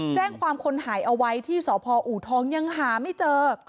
แจ้งความคนหายเอาไว้ที่สพอูทองยังหาไม่เจอ